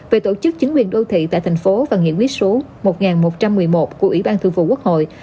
về tổ chức chính quyền đô thị tại thành phố và nghị quyết số một nghìn một trăm một mươi một của ủy ban thường vụ quốc hội